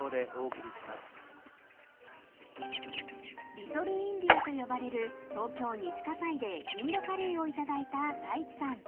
［リトルインディアと呼ばれる東京西葛西でインドカレーを頂いた太一さん］